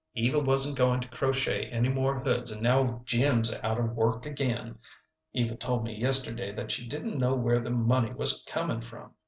Eva wasn't going to crochet any more hoods, and now Jim's out of work again. Eva told me yesterday that she didn't know where the money was comin' from.